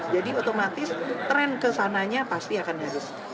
jadi otomatis tren ke sananya pasti akan harus